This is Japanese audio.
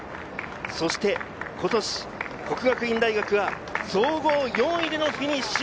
そして今年、國學院大學は総合４位でフィニッシュ。